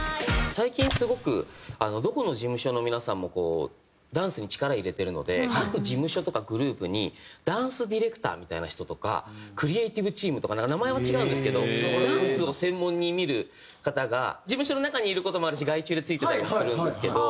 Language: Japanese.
最近すごくどこの事務所の皆さんもダンスに力入れてるので各事務所とかグループにダンスディレクターみたいな人とかクリエイティブチームとか名前は違うんですけどダンスを専門に見る方が事務所の中にいる事もあるし外注でついてたりもするんですけど。